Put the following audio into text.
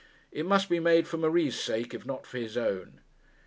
It must be made for Marie's sake, if not for his own.